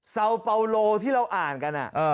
ซาเปาโลที่เราอ่านกัน